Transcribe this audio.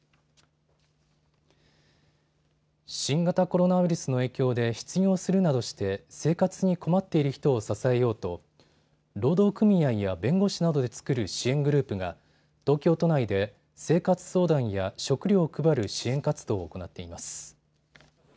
新型コロナウイルスの影響で失業するなどして生活に困っている人を支えようと労働組合や弁護士などで作る支援グループが東京都内で生活相談や食料を配る支援活動を行っています。